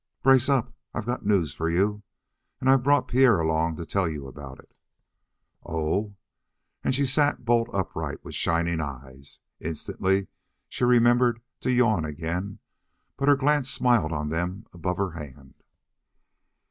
"Brace up; I've got news for you. And I've brought Pierre along to tell you about it." "Oh!" And she sat bolt upright with shining eyes. Instantly she remembered to yawn again, but her glance smiled on them above her hand.